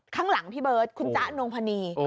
ข้างหลังพี่เบิร์ตคุณจ๊ะนงพนี